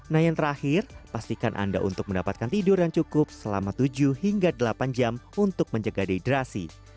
nah yang terakhir pastikan anda untuk mendapatkan tidur yang cukup selama tujuh hingga delapan jam untuk menjaga dehidrasi